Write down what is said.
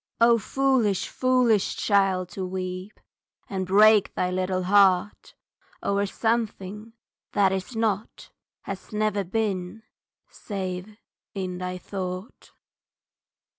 O foolish, foolish child, to weep And break thy little heart o'er something that Is not has never been, save, in thy thought!"